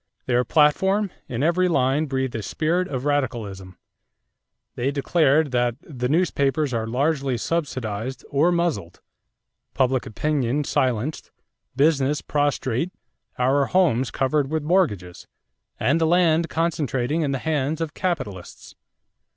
Their platform, in every line, breathed a spirit of radicalism. They declared that "the newspapers are largely subsidized or muzzled; public opinion silenced; business prostrate; our homes covered with mortgages; and the land concentrating in the hands of capitalists....